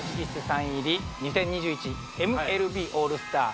サイン入り２０２１ＭＬＢオールスター